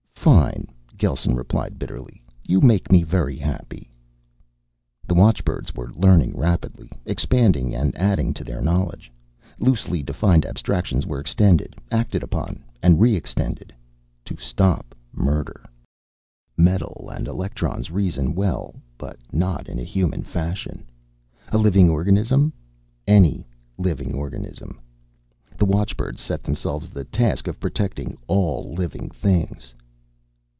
"Fine," Gelsen replied bitterly. "You make me very happy." The watchbirds were learning rapidly, expanding and adding to their knowledge. Loosely defined abstractions were extended, acted upon and re extended. To stop murder ... Metal and electrons reason well, but not in a human fashion. A living organism? Any living organism! The watchbirds set themselves the task of protecting all living things.